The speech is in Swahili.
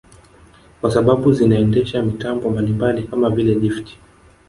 Kwa sababu zinaendesha mitambo mbalimbali kama vile lifti